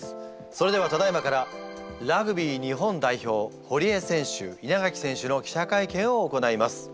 それではただいまからラグビー日本代表堀江選手稲垣選手の記者会見を行います。